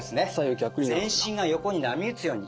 全身が横に波打つように。